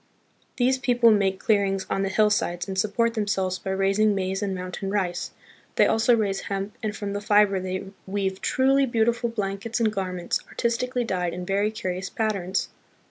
These people make clearings on the hillsides and support themselves by raising maize and mountain rice. They also raise hemp, and from the fiber they weave truly beautiful blankets and garments, artistically dyed in very curious patterns.